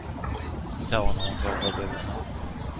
میتوانم اتاق را ببینم؟